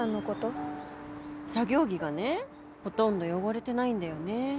作業着がねほとんど汚れてないんだよね。